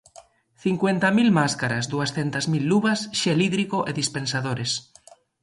Cincuenta mil máscaras, duascentas mil luvas, xel hídrico e dispensadores.